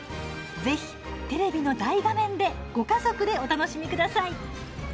ぜひ、テレビの大画面でご家族でお楽しみください。